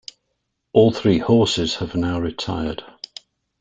All three horses have now retired.